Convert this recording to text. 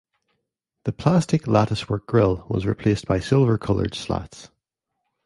The plastic latticework grille was replaced by silver-colored slats.